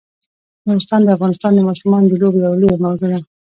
نورستان د افغانستان د ماشومانو د لوبو یوه لویه موضوع ده.